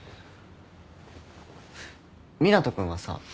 湊斗君はさ。